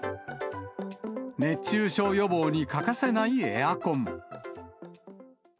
熱中症予防に欠かせないエアコン。